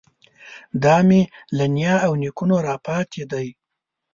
دا مې له نیا او نیکونو راپاتې دی.